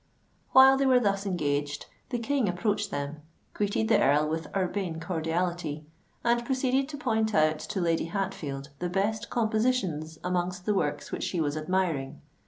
While they were thus engaged, the King approached them, greeted the Earl with urbane cordiality, and proceeded to point out to Lady Hatfield the best compositions amongst the works which she was admiring.